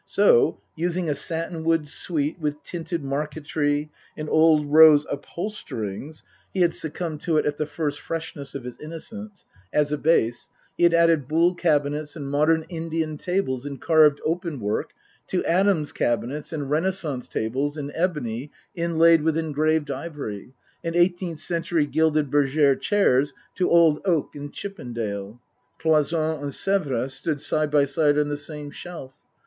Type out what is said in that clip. So, using a satinwood suite with tinted marqueterie and old rose upholsterings (he had succumbed 192 Tasker Jevons to it in the first freshness of his innocence) as a base, he had added Boule cabinets and modern Indian tables in carved open work to Adams cabinets and Renaissance tables in ebony inlaid with engraved ivory, and eighteenth century gilded bergere chairs to old oak and Chippendale. Cloi sonne and Sevres stood side by side on the same shelf.